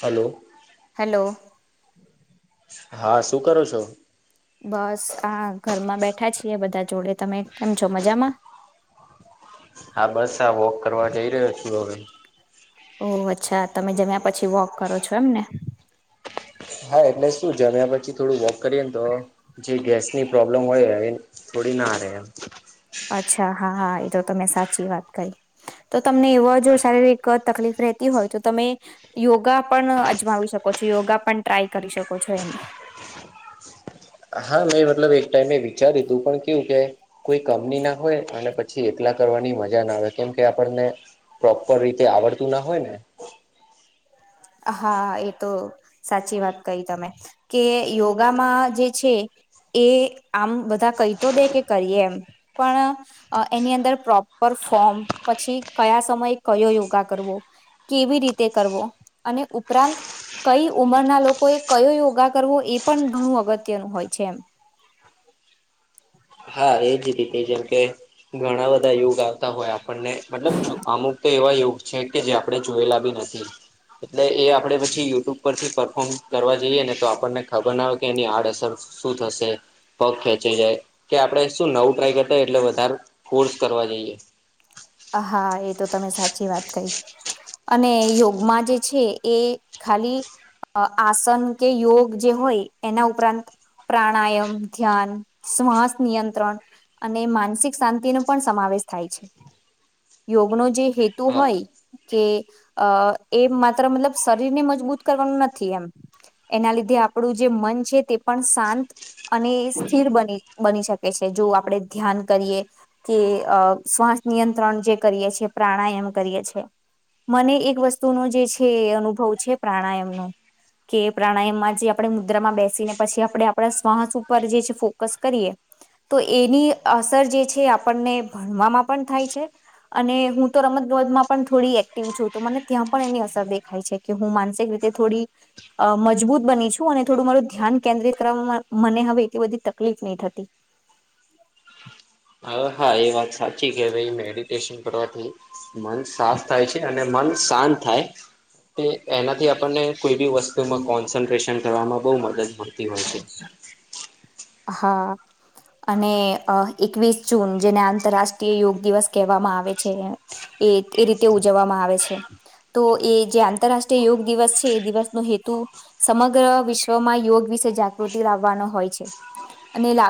Hello. Hello. હા, શું કરો છો? બસ આ ઘરમાં બેઠા છીએ બધા જોડે તમે કેમ છો મજામાં? હા બસ આ વોક કરવા જઈ રહ્યો છું હવે. ઓહ અચ્છા! તમે જમ્યા પછી વોક કરો છો એમને? હા એટલે શું જમ્યા પછી થોડું વોક કરીએન તો જે ગેસની પ્રોબ્લેમ હોય એ થોડી ના રે એમ. અચ્છા હા હા એ તો તમે સાચી વાત કહી. તો તમને એવા જો શારીરિક તકલીફ રહેતી હોય તો તમે યોગા પણ અજમાવી શકો છો, યોગા પણ ટ્રાય કરી શકો છો એમ. હા મેં મતલબ એક ટાઈમે વિચાર્યું તું પણ કેવું કે કોઈ કંપનીના હોય અને પ પછી એકલા કરવાની મજા ના આવે કેમકે આપણને પ્રોપર રીતે આવડતું ના હોય ને. હા એ તો સાચી વાત કહી તમે. કે યોગામાં જે છે એ આમ બધા કઈ તો દે કે કરીએ એમ પણ અ એની અંદર પ્રોપર ફોર્મ પછી કયા સમયે કયો યોગા કરવો કેવી રીતે કરવો અને ઉપરાંત કઈ ઉંમરના લોકોએ કયો યોગા કરવો એ પણ ઘણું અગત્યનું હોય છે એમ હા એજ રીતે જેમ કે ઘણા બધા યોગ આવતા હોય આપણને મતલબ અમુક તો એવા યોગ છે કે જે આપડે જોયેલા બી નથી એટલે એ આપડે પછી યુટ્યુબ પરથી પરફોર્મ કરવા જઈએ ને તો આપણને ખબર ના હોય કે એની આડઅસર શું થશે પગ ખેંચી જાય કે આપડે શું નવું ટ્રાય કરતા હોય એટલે વધારે ફર્સ કરવા જઈએ હા એ તો તમે સાચી વાત કહી અને યોગમાં જે છે એ ખાલી અ આસન કે યોગ જે હોય એના ઉપરાંત પ્રાણાયામ ધ્યાન શ્વાસ નિયંત્રણ અને માનસિક શાંતિ નો પણ સમાવેશ થાય છે યોગનોો જે હેતુ હા હોય કે અ એ માત્ર મતલબ શરીર ને મજબૂત કરવાનું નથી એમ એના લીધે આપણું જે મન છે તે પણ શાંત અને સ્થિર બની બની શકે છે જો આપડે ધ્યાન કરીએ કે અ શ્વાસ નિયંત્રણ જે કરીએ છેીએ પ્રાણાયામ કરીએ છે મને એક વસ્તુનોો જે છે અનુભવ છે પ્રાણાયામનોો કે પ્રાણાયામમાં જે આપણે મુદ્રામાં બેસીને પછી આપણે આપણા શ્વાહસ ઉપર જે છે ફોકસ કરીએ તો એની અસર જે છે આપણને ભણવામાં પણ થાય છે અને હું તો રમતગમત માં પણ થોડી એક્ટિવ છું તો મને ત્યાં પણ એની અસર દેખાય છે હું માનસિક રીતે થોડી અ મજબૂત બની છું અને થોડું મારું ધ્યાન કેન્દ્રિત કરવામાં મને હવે એટલી બધી તકલીફ નહી થતી હા એ વાત સાચી કે ભાઈ મેડિટેશન કરવાથી મન સાફ થાય છે અને મન શાંત થાય તે એનાથી આપણને કોઈ બી વસ્તુમાં કોન્સન્ટ્રેશન કરવામાં બહુ મદદ મળતી હોય છે હા અને એકવીસ જૂન જેને આંતરરાષ્ટ્રીય યોગ દિવસ કહેવામાં આવે છે એ એ રીતે ઉજવવામાં આવે છે તો એ જે આંતરરાષ્ટ્રીય યોગ દિવસ છે એ દિવસનો હેતુ સમગ્ર વિશ્વમાં યોગ વિશે જાગૃતિ લાવવાનો હોય છે અને લ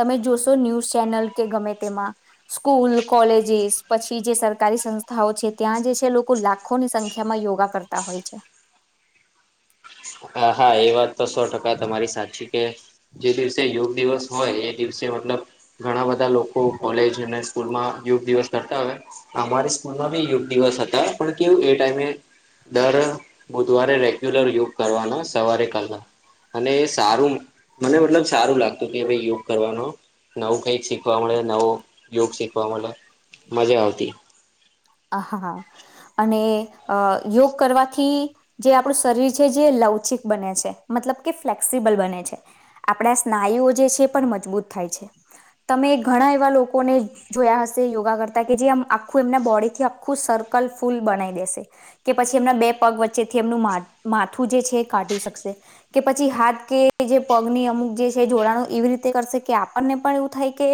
તમે જોશો ન્યૂઝ ચેનલ કે ગમે તેમાં સ્કૂલ કોલેજસ પછી જે સરકારી સંસ્થાઓ છે ત્યાં જે છે લોકો લા લાખોની સંખ્યા માં યોગા કરતા હોય છે. હા હા એ વાત તો સો ટકા તમારી સાચી કે જે દિવસે યોગ દિવસ હોય એ દિવસે મતલબ ઘણા બધા લોકો કોલેજ અને સ્કૂલ માં યોગ દિવસ કરતા હોય. અમારી સ્કૂલમાં બી યોગ દિવસ હતા પણ કેવું એ ટાઈમે દર બુધવારે રેગ્યુલર યુગ કરવાનો સવારે કર અને સારું મને મતલબ સારું લાગતું કે ભાઈ યોગ કરવાનો. નવું કઈક શિકવા મુ નવો યોગ શિકવામ મજા આવતી. હ હાા અને અ યોગ કરવાથી. જે આપણું શરીર છે જે લવચિક બને છે મતલબ કે ફ્લેક્સિબલ બને છે. આપણા સ્નાયુઓ જે છે પણ મજબૂત થાય છે. તમે ઘણા એવા લોકોને જોયા હશે યોગા કરતા કે જે આમ આખું એમના બોડી થી આખું સર્કલ ફૂલ બનાવી દેશે. કે પછી એમના બે પગ વચ્ચે થી એમનું માથું જે છે એ કાઢી શકશે. કે પછી હાથ કે જે પગની અમુક જે છે જોડાણો એવી રીતે કરશે કે આપણને પણ એવું થાય કે.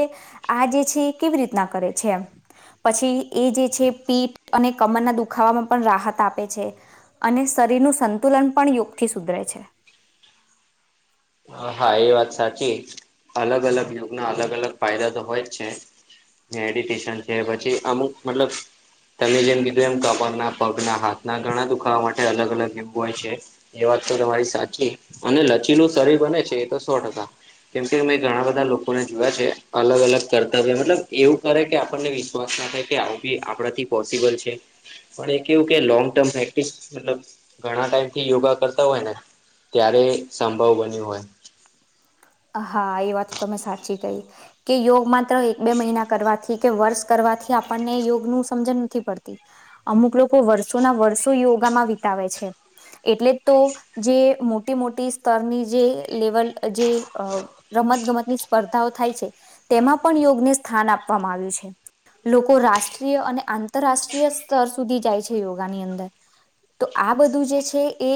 આ જે છે કેવી રીતના કરે છે પછી એ જે છે. પીઠ અને કમરના દુખાવાવામાં પણ રાહત આપે છે. અને શરીરનું સંતુલન પણ યોગથી સુધરે છે. હા એ વાત સાચી અલગ અલગ યુગના અલગ અલગ ફાયદા તો હોય જ છે. મેડિટેશન છે પછી અમુક મતલબ. તમે જેમ કીધું એમ કપડના પગના હાથના ઘણા દુખાવા માટે અલગ અલગ એવું હોય છે. એ વાત તો તમારી સાચી અને લચીલું શરીર બને છે એ તો સો ટકા કેમ કે મે ઘણા બધા લોકોને જોયા છે અલગ અલગ કર્તવ્ય મતલબ એવું કરે કે આપણને વિ્વાસ ના થાય કે આવી આપડા થી પોસિબલ છે. પણ એ કેવું કે લોંગ ટર્મ પ્રેક્ટિસ મલબ ઘણા ટાઈમ થી યોગા કરતા હોય ને ત્યારે સંભવ બન્યું હોય. હા એ વાત તમે સાચી કહી કે યોગ માત્ર એક બે મહિના કરવાથી કે વર્ષ કરવાથી આપણને યોગ નું સમજણ નથી પડતી. અમુક લોકો વર્ષોના વર્ષો યોગામાં વિતાવે છે. એટલે તો જે મોટી મોટી સ્તરની જે લેવલ જે. અ રમતગમતની સ્પર્ધાઓ થાય છે તેમાં પણ યોગને સ્થાન આપવામાં આવ્યું છે. લોકો રાષ્ટ્રીય અને આંતરરાષ્ટ્રીય સ્તર સુધી જાય છે યોગાની અંદર તો આ બધું જે છે એ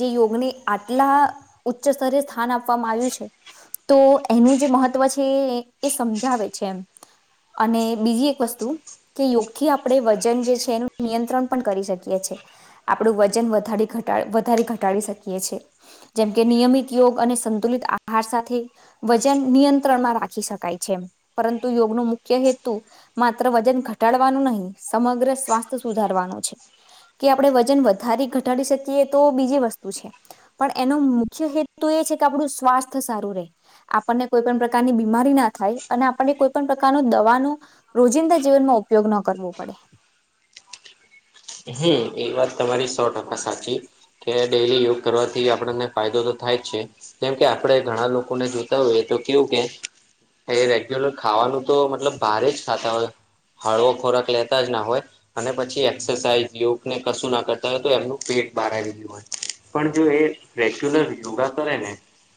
જે યોગને આટલા. ઉચ્ચ સ્તરી સ્થાન આપવામાં આવ્યું છે. તો એનું જે મહત્વ છે એ સમજાવે છે એમ. અને બીજી એક વસ્તુ કે યોગી આપણે વજન જે છે એનું નિયંત્રણ પણ કરી શકીએ છે. આપણું વજન વધટ વધારે ઘટાડી શકીએ છે. જેમકે નિયમિત યોગ અને સંતુલિત આહાર સાથે વજન નિયંત્રણમાં રાખી શકાય છે પરંતુ યોગનો મુખ્ય હેતુ. માત્ર વજન ઘટાડવાનું નહીિ સમગ્ર સ્વાસ્થ સુધારવાનું છે. કે આપણે વજન વધારે ઘટાડી શકીએ તો બીજી વસ્તુ છે. પણ એનો મુખ્ય હેતુ એ છે કે આપણું સ્વાસ્થ સારું રહે આપણને કોઈ પણણ પ્રકારની બીમારી ના થાય અને આપણને કોઈ પણ પ્રકારનું દવાનું. રોજિંદા જીવનમાં ઉપયોગ ન કરવો પડે. હમ એ વાત તમારી સો ટકા સાચી. કે ડેલી યોગ કરવાથી આપણને ફાયદો તો થાય જ છે. કેમ કે આપણે ઘણા લોકોને જોતા હોયએ તો કેવું કે. એ રેગ્યુલર ખાવાનું તો મતલબ બારે જ ખાતા હોય હળવો ખોરાક લેતા જ ના હોય અને પછી એક્સરસાઇઝ યોગને કશું ના કરતા હોય તો એમનું પેટ બહાર આવી ગયું હોય પણ જો એ રેગ્યુલર યોગા કરે ને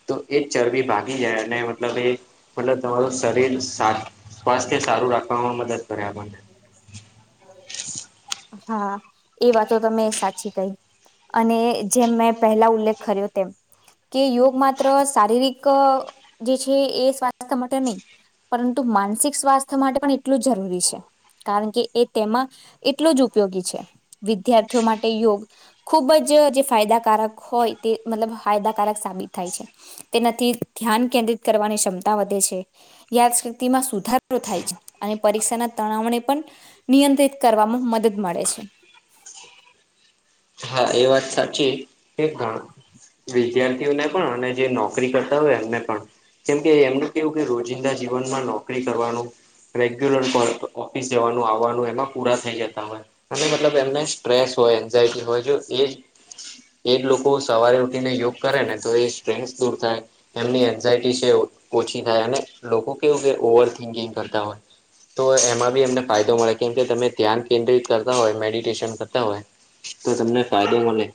તો એ ચરબી ભાગી જાય અને મતલબ એ મતલબ તમારું શરીર સ્વાસ્થ્ય સારું રાખવામાં મદદ કરે આપણને હા એ વાતો તમે સાચી કહી અને જેમ મેં પહેલા ઉલ્લેખ કર્યો તેમ કે યોગ માત્ર શારીરિક જે છે એ સ્વાસ્થ્ય માટે નહી પરંતુ માનસિક સ્વાસ્થ્ય માટે પણ એટલું જ જરૂરી છે કારણ કે એ તેમાં એટલો જ ઉપયોગી છે વિદ્યાર્થીઓ માટે યોગ ખૂબ જ જે ફાયદાકારક હોય તે મતલબ ફાયદાકારક સાબિત થાય છે તેનાથી ધ્યાન કેન્દ્રિત કરવાની ક્ષમતા વધે છે યાદશક્તિ માં સુધારો થાય છે અને પરીક્ષા ના તણાવને પણ નિયંત્રિત કરવામાં મદદ મળે છે હા એ વાત સાચી એકદમ વિદ્યાર્થીઓને પણ અને જે નોકરી કરતા હોય એમને પણ કેમ કે એમનું કેવું કે રોજિંદા જીવનમાં નોકરી કરવાનું રેગ્યુલર પણ ઓફિસ જવાનું આવવાનું, એમાં પૂરા થઈ જતા હોય. અને મતલબ, એમને સ્ટ્રેસ હોય, એન્ઝાયટી હોય, જો એજ. એજ લોકો સવારે ઉઠીને યોગ કરે ને, તો એ સ્ટ્રેસ દૂર થાય. એમની એન્ઝાયટી છે ઓછી થાય અને લોકો કેવું કે, ઓવર થિંકિંગ કરતા હોય. તો એમાં બી એમને ફાયદો મળે, કેમ કે તમે ધ્યાન કેન્દ્રિત કરતા હોય, મેડિટેશન કરતા હોય. તો તમને ફાયદો મળે.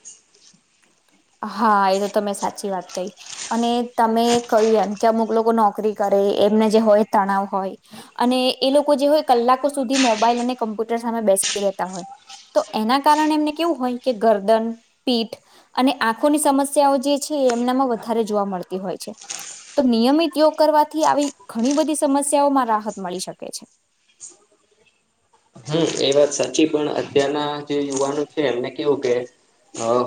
હા, એ તો તમે સાચી વાત કહી. અને તમે કહ્યું એમ કે, અમુક લોકો નોકરી કરે, એમને જે હોય તણાવ હોય. અને એ લોકો જે હોય, કલાકો સુધી મોબાઈલ અને કમ્પ્યુટર સામે બેસી રહેતા હોય. તો એના કારણે એમને કેવું હોય કે, ગરદન, પીઠ. અને આંખોની સમસ્યાઓ જે છે, એ એમનામાં વધારે જોવા મળતી હોય છે. તો નિયમિત યોગ કરવાથી આવી ઘણી બધી સમસ્યાઓમાં રાહત મળી શકે છે. હમ, એ વાત સાચી, પણ અત્યારના જે યુવાનો છે એમને કેવું કે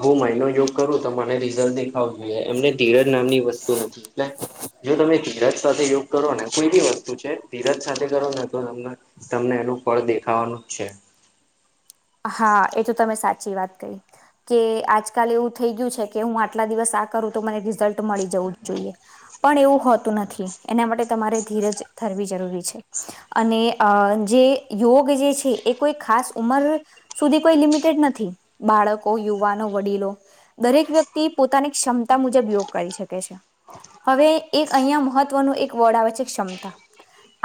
હું માઈન્ડનો યોગ કરું તો મને રિઝલ્ટ દેખાવો જોઈએ. એમને ધીરજ નામની વસ્તુ નથી. એ. જો તમે ધીરજ સાથે યોગ કરો ને, કોઈ બી વસ્તુ છે ધીરજ સાથે કરો ને, તો તમને તમને એનું ફળ દેખાવાનું જ છે. હા, એ તો તમે સાચી વાત કરી. કે આજકાલ એવું થઈ ગયું છે કે, હું આટલા દિવસ આ કરું તો મને રિઝલ્ટ મળી જવું જ જોઈએ. પણ એવું હોતું નથી, એના માટે તમારે ધીરજ ધરવી જરૂરી છે. અને જે યોગ જે છે, એ કોઈ ખાસ ઉંમર સુધી કોઈ લિમિટેડ નથી, બાળકો, યુવાનો, વડીલો. દરેક વ્યક્તિ પોતાની ક્ષમતા મુજબ યોગ કરી શકે છે. હવે એક અહીયાં મહત્વનું એક વર્ડ આવે છે, ક્ષમતા.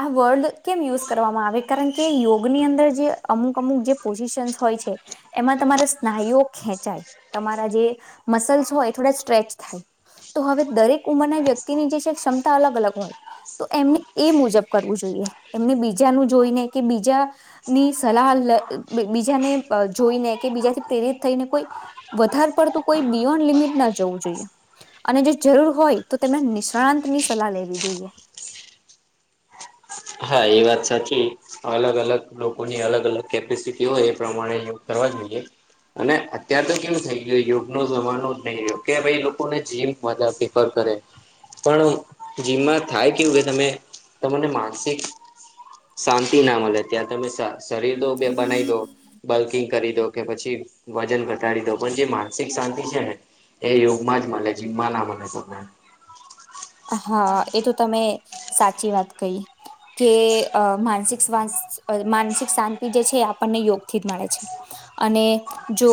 આ વર્ડ કેમ યુઝ કરવામાં આવે? કારણ કે યોગની અંદર જે અમુક અમુક જે પોઝિશન હોય છે. એમાં તમારા સ્નાયુઓ ખેંચાય, તમારા જે મસલ્સ હોય થોડા સ્ટ્રેચ થાય. તો હવે દરેક ઉંમરના વ્યક્તિની જે, છે ક્ષમતા અલગ-અલગ હોય. તો એમને એ મુજબ કરવું જોઈએ, એમને બીજાનું જોઈને કે બીજા ની સલાહ, બીજાને જોઈને કે બીજાથી પ્રેરિત થઈને કોઈ વધારે પડતું કોઈ બિયોન લિમિટ ના જવું જોઈએ. અને જો જરૂર હોય તો, તેમને નિષ્ણાંતની સલાહ લેવી જોઈએ. હા, એ વાત સાચી. અલગ-અલગ લોકોની અલગ અલગ કેપેસિટી હોય, એ પ્રમાણે કરવા જોઈએ. અને અત્યાર તો કેમ થઇ ગયા? યોગ ન જવાનું જ નહીં, યોગ કે ભાઈ લોકોને જીમ મ આપ. કરે પણ જીમમાં થાય કેવું કે, તમે તમને માનસિક શાંતિ ના મળે, ત્યાં તમે શરીર તો બે બનાવી દો. બલ્કિંગ કરી દો કે પછી વજન ઘટાડી દો, પણ જે માનસિક શાંતિ છે ને. એ યોગમાં જ મળે, જીમમાં ના મળે, કોને? હા, એ તો તમે સાચી વાત કહી. કે અ માનસિક શ્વાસ, માનસિક શાંતિ જે છે, એ આપણને યોગથી જ મળે છે. અને જો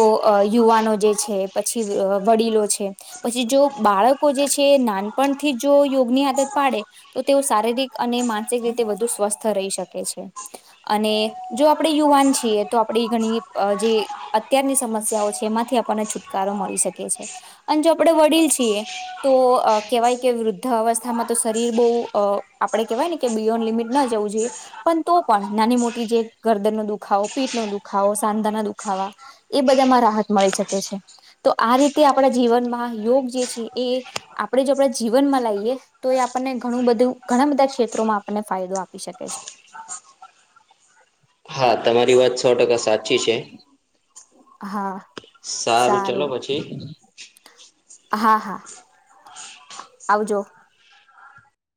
યુવાનો જે છે, પછી વડીલો છે. પછી જો બાળકો જે છે, નાનપણથી જો યોગની આદત પાડે. તો તેઓ શારીરિક અને માનસિક રીતે વધુ સ્વસ્થ રહી શકે છે. અને જો આપણે યુવાન છીએ, તો આપણે ઘણી જે અત્યારની સમસ્યાઓ છે, એમાંથી આપણને છુટકારો મળી શકે છે. અને જો આપણેે વડીલ છીએ, તો કેવાય. કે વૃદ્ધ અવસ્થામાં તો શરીર બહુ, આપડે કેહેવાય ને કે, બિયોન્ડ લિમિટ ન જવું જોઈએ. પણ તો પણ નાની-મોટી, જે ગરદન નો દુખાવો, પીટ નો દુખાવો, સાંધાના દુખાવા. એ બધામાં રાહત મળી શકે છે. તો આ રીતે આપણા જીવનમાં યોગ જે છે એ આપણે જો આપણે જીવનમાં લઈએ તો એ આપણને ઘણું બધું ઘણા બધા ક્ષેત્રોમાં આપણને ફાયદો આપી શકે છે હા તમારી વાત સો ટકા સાચી છે હા ચલો સારું પછી હા હા આવજો